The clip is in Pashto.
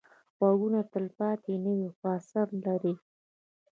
غږونه تلپاتې نه وي، خو اثر لري